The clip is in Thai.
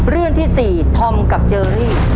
เรื่องที่๔ธอมกับเจอรี่